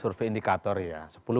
survei indikator ya